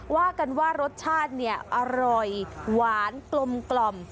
ว่ากันว่ารสชาติเนี่ยอร่อยหวานกลม